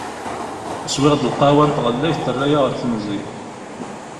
Swiɣ-d lqahwa n tɣellayt terra-yi ar temẓi.